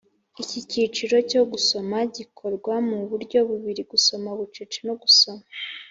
Iki kiciro cyo gusoma gikorwa mu buryo bubiri: gusoma bucece no gusoma